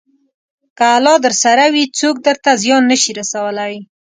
که الله درسره وي، څوک درته زیان نه شي رسولی.